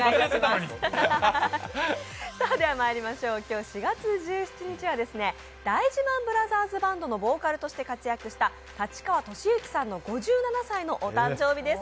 今日４月１７日は大事ＭＡＮブラザーズバンドのボーカルとして活躍した、立川俊之さんの５７歳のお誕生日です。